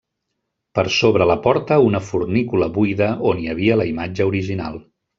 Per sobre la porta una fornícula buida on hi havia la imatge original.